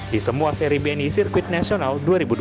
di semua seri bni sirkuit nasional dua ribu dua puluh